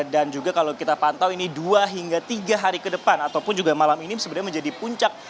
dan juga kalau kita pantau ini dua hingga tiga hari ke depan ataupun juga malam ini sebenarnya menjadi puncak